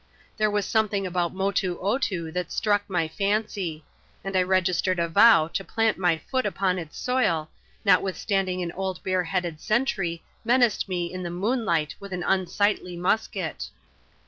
There was something about Motoo Otoo that struck my fancy; and I registered a vow to plant my foot upon its soil, notwith standing an old bareheaded sentry menaced me in the moonlight with an unsightly musket.